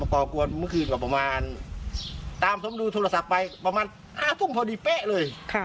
พอกลัวเมื่อคืนก็ประมาณตามผมดูโทรศัพท์ไปประมาณ๕ทุ่มพอดีเป๊ะเลย